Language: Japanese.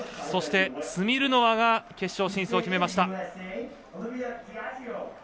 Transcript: そして、スミルノワが決勝進出を決めました。